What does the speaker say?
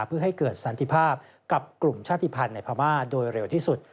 เพื่อให้เกิดสันติภาพกับกลุ่มชาติภัณฑ์ในพม่าโดยเร็วที่สุด